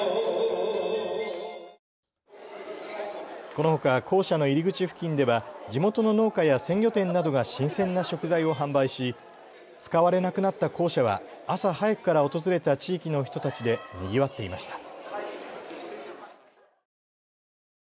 このほか校舎の入り口付近では地元の農家や鮮魚店などが新鮮な食材を販売し、使われなくなった校舎は朝早くから訪れた地域の人たちでにぎわっていました。